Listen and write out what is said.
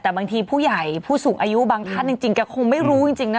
แต่บางทีผู้ใหญ่ผู้สูงอายุบางท่านจริงแกคงไม่รู้จริงนะ